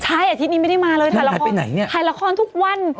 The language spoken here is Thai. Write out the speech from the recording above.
ใช่อาทิตย์นี้ไม่ได้มาเลยถ่ายละครทุกวันอ่อ